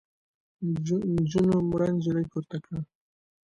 نجونو مړه نجلۍ پورته کړه.